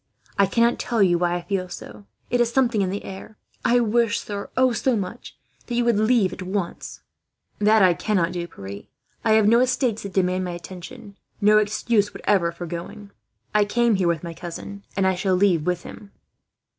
I cannot tell you why I feel so. It is something in the air. I wish sir, oh, so much! that you would leave at once." "That I cannot do, Pierre. I have no estates that demand my attention, no excuse whatever for going. I came here with my cousin, and shall leave with him."